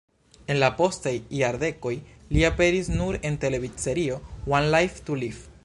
En la postaj jardekoj li aperis nur en televidserio "One Life to Live".